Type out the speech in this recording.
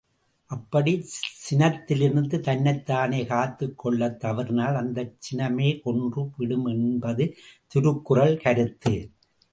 அப்படிச் சினத்திலிருந்து தன்னைத் தானே காத்துக் கொள்ளத் தவறினால் அந்தச் சினமே கொன்று விடும் என்பது திருக்குறள் கருத்து!